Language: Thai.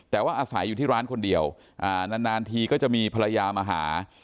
แต่ว่าอาศัยอยู่ที่ร้านคนเดียวนานทีก็จะมีภรรยามาหา